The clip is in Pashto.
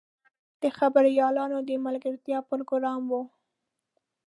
د خبریالانو د ملګرتیا پروګرام و.